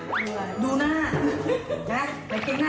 ขอบคุณลูกครับเธอมาทำงานให้หนีแล้ว